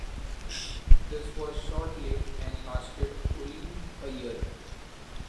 This was short lived and lasted only a year.